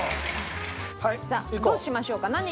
さあどうしましょうか？